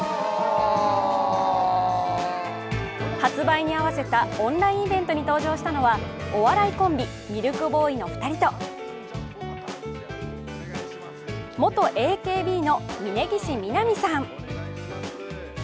発売に合わせたオンラインイベントに登場したのはお笑いコンビミルクボーイの２人と元ＡＫＢの峯岸みなみさん。